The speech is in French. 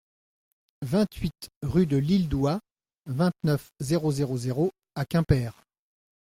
vingt-huit rue de l'Île d'Houat, vingt-neuf, zéro zéro zéro à Quimper